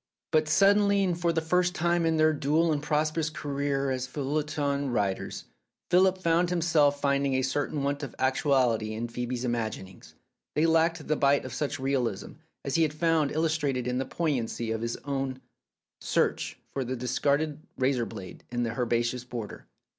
But suddenly, and for the first time in their dual and prosperous career as feuilleton writers, Philip found himself finding a certain want of actuality in Phoebe's imaginings. They lacked the bite of such realism as he had found illustrated in the poignancy of his own search for the discarded razor blade in the herbaceous border.